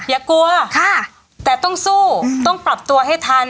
อย่ากลัวค่ะแต่ต้องสู้ต้องปรับตัวให้ทัน